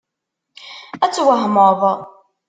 Ad twehmeḍ!